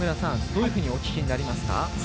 どのようにお聞きになりますか？